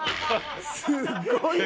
すごい。